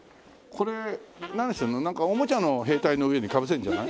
なんかおもちゃの兵隊の上にかぶせるんじゃない？